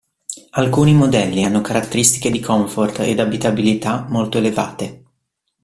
Alcuni modelli hanno caratteristiche di comfort ed abitabilità molto elevate.